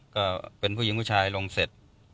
ก็เป็นผู้หญิงผู้ชายลงเสร็จ